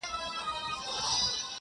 چي ته بېلېږې له مست سوره څخه ـ